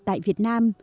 tại việt nam